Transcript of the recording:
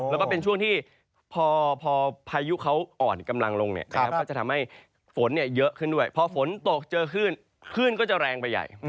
แล้วก็เป็นช่วงที่พอพายุเขาอ่อนกำลังลงเนี่ยนะครับ